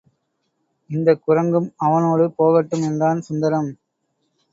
இந்தக் குரங்கும் அவனோடு போகட்டும் என்றான் சுந்தரம்.